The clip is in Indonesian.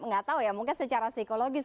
gak tau ya mungkin secara psikologis